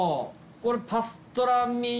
これパストラミ。